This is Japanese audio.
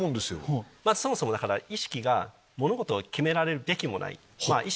そもそも意識が物事を決められるべきもない。